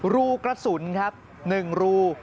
รูกระสุนครับ๑รู